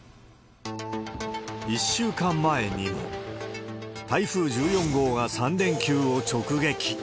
１週間前にも、台風１４号が３連休を直撃。